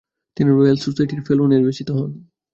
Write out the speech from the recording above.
তিনি রয়েল সোসাইটির ফেলো নির্বাচিত হন।